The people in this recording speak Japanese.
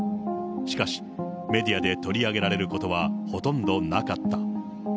しかし、メディアで取り上げられることはほとんどなかった。